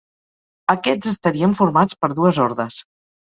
Aquests estarien formats per dues hordes.